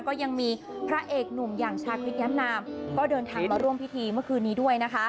ก็ยังมีพระเอกหนุ่มอย่างชาคริสแย้มนามก็เดินทางมาร่วมพิธีเมื่อคืนนี้ด้วยนะคะ